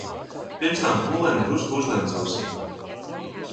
Pirms tām pūlēm drusku uzdancosim.